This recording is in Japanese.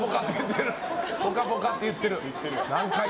「ぽかぽか」って言ってる。